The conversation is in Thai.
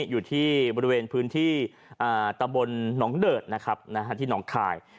อยู่ที่บริเวณพื้นที่ตำบลหนองเดิดนะครับที่หนองคาย